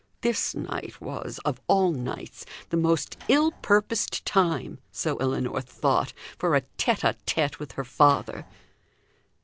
This night was, of all nights, the most ill purposed time (so Ellinor thought) for a tete a tete with her father!